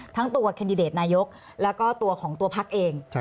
ทั้งตัวแคนดิเดตนายกแล้วก็ตัวของตัวพักเอง